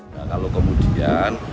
dan kalau kemudian